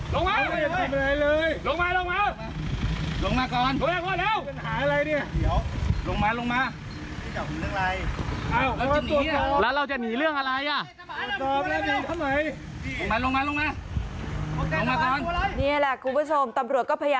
แล้วพิกกระบรถหนีทำไมอ่ะ